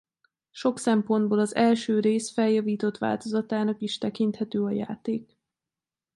Sok szempontból az első rész feljavított változatának is tekinthető a játék.